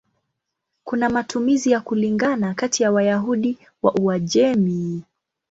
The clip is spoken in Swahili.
Kuna matumizi ya kulingana kati ya Wayahudi wa Uajemi.